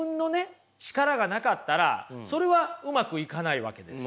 力がなかったらそれはうまくいかないわけですよ。